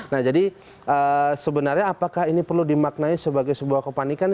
nah jadi sebenarnya apakah ini perlu dimaknai sebagai sebuah kepanikan